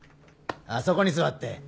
そこに座って。